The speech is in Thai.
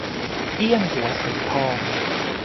เอี้ยงหัวสีทอง